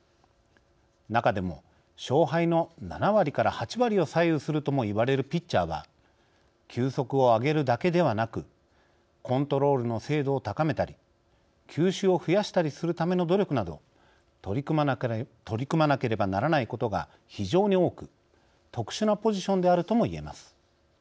中でも勝敗の７割から８割を左右するともいわれるピッチャーは球速を上げるだけではなくコントロールの精度を高めたり球種を増やしたりするための努力など取り組まなければならないことが非常に多く特殊なポジションであるともいえます。